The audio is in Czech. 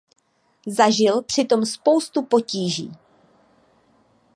Zažil při tom spoustu potíží.